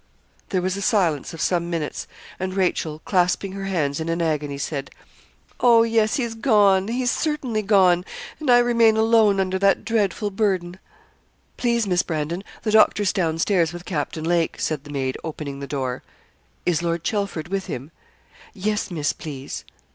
There was a silence of some minutes, and Rachel, clasping her hands in an agony, said 'Oh, yes he's gone he's certainly gone; and I remain alone under that dreadful burden.' 'Please, Miss Brandon, the doctor's down stairs with Captain Lake,' said the maid, opening the door. 'Is Lord Chelford with him?' 'Yes, Miss, please.'